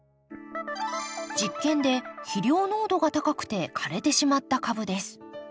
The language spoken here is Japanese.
実験で肥料濃度が高くて枯れてしまった株です。